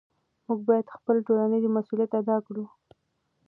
موږ باید خپل ټولنیز مسؤلیت ادا کړو.